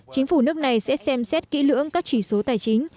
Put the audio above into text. chính phủ nước này sẽ xem xét kỹ lưỡng các chỉ số tài chính